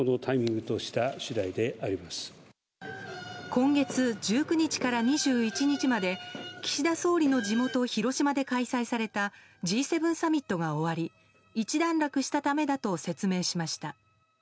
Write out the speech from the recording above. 今月１９日から２１日まで岸田総理の地元・広島で開催されたＧ７サミットが終わり一段落したためだと説明しました。